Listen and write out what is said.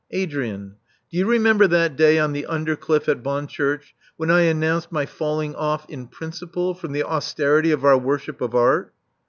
''Adrian: do you remember that day on the under cliff at Bonchurch, when I announced my falling oflf, in principle, from the austerity of our worship of art?"